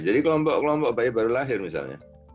jadi kelompok kelompok bayi baru lahir misalnya